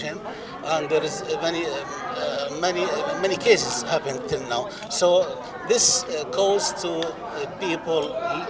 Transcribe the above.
membuat lebih banyak kesalahan di facebook dan twitter